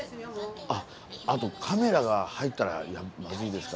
・あとカメラが入ったらまずいですか？